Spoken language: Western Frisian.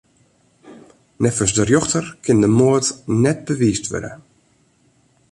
Neffens de rjochter kin de moard net bewiisd wurde.